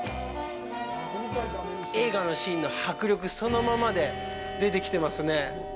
映画のシーンの迫力そのままで出てきてますね。